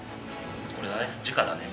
これだね。